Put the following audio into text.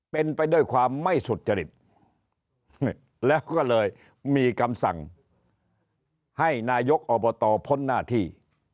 เป็นไปด้วยความไม่สุจริตแล้วก็เลยมีคำสั่งให้นายกอบตพ้นหน้าที่